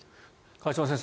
河島先生